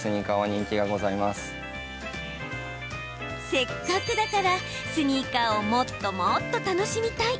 せっかくだから、スニーカーをもっともっと楽しみたい！